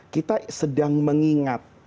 kita sedang mengingat